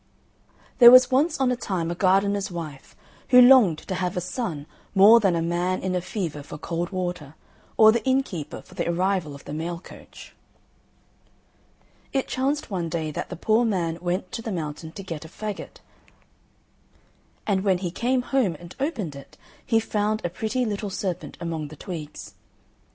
There was once on a time a gardener's wife, who longed to have a son more than a man in a fever for cold water, or the innkeeper for the arrival of the mail coach. It chanced one day that the poor man went to the mountain to get a faggot, and when he came home and opened it he found a pretty little serpent among the twigs.